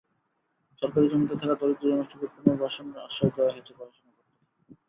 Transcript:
সরকারি জমিতে থাকা দরিদ্র জনগোষ্ঠীকে পুনর্বাসনের আশ্বাস দেওয়া হয়েছে প্রশাসনের পক্ষ থেকে।